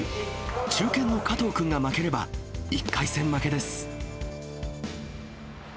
中堅の加藤君が負ければ、１回戦負けです。